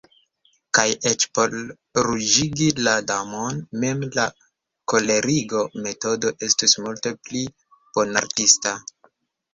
Kaj eĉ por ruĝigi la Damon mem, la koleriga metodo estus multe pli bonartista.